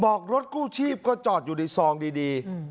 บอกรถกู้ชีพก็จอดอยู่ในซองดี